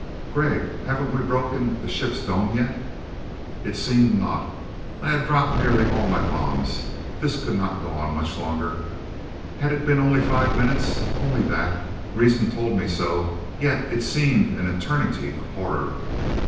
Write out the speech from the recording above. "Gregg, haven't we broken the ship's dome yet?" It seemed not. I had dropped nearly all my bombs. This could not go on much longer. Had it been only about five minutes? Only that? Reason told me so, yet it seemed an eternity of horror.